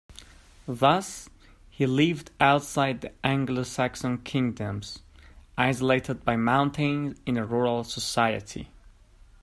Thus, he lived outside the Anglo-Saxon kingdoms, isolated by mountains in a rural society.